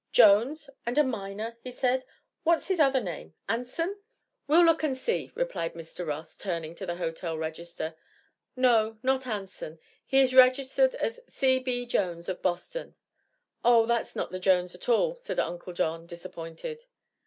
"Jones, and a miner?" he said. "What's his other name Anson?" "We'll look and see," replied Mr. Ross, turning to the hotel register. "No; not Anson. He is registered as C.B. Jones, of Boston." "Oh; that's not the Jones at all," said Uncle John, disappointed.